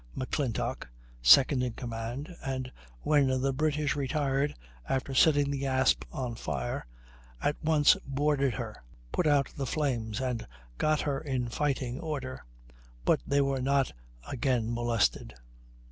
McClintock (second in command), and when the British retired after setting the Asp on fire, at once boarded her, put out the flames, and got her in fighting order; but they were not again molested.